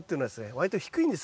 割と低いんです